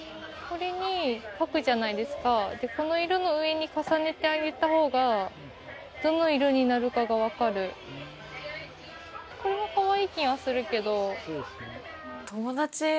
これに描くじゃないですかでこの色の上に重ねてあげた方がどの色になるかが分かるこれもかわいい気がするけどそうですね